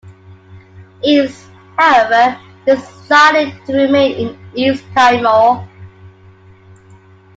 East, however, decided to remain in East Timor.